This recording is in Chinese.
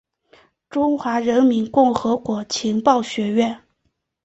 中华人民共和国情报学家。